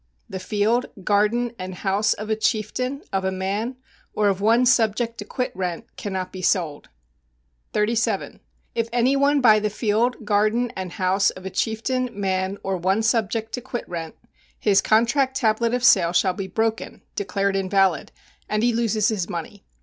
The field, garden and house of a chieftain, of a man, or of one subject to quit rent, cannot be sold. 37. If any one buy the field, garden and house of a chieftain, man or one subject to quit rent, his contract tablet of sale shall be broken [declared invalid] and he loses his money.